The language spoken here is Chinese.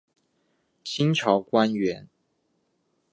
清朝官员。